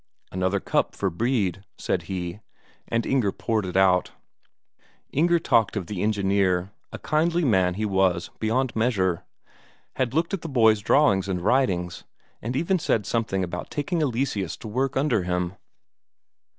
"Another cup for Brede," said he. And Inger poured it out. Inger talked of the engineer; a kindly man he was beyond measure; had looked at the boys' drawings and writings, and even said something about taking Eleseus to work under him.